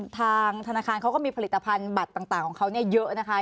ทางธนาคารเขาก็มีผลิตภัณฑ์บัตรต่างของเขาเยอะนะคะ